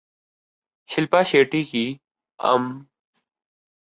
شلپا شیٹھی کی ام